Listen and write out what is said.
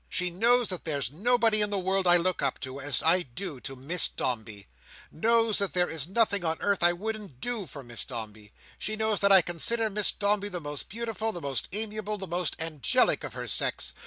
She knows that there's nobody in the world I look up to, as I do to Miss Dombey. Knows that there's nothing on earth I wouldn't do for Miss Dombey. She knows that I consider Miss Dombey the most beautiful, the most amiable, the most angelic of her sex.